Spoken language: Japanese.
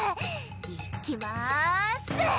「いきます！」